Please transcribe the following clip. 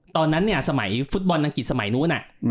ตอนนั้นเนี่ยสมัยฟุตบอลอังกฤษสมัยนู้น